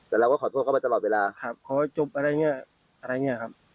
แต่เราก็ขอโทษเขามาตลอดเวลาครับขอให้จบอะไรเงี้ยอะไรเงี้ยครับ